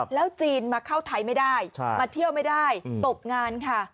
แล้วจีนมาเข้าไทยไม่ได้มาเที่ยวไม่ได้ตกงานค่ะ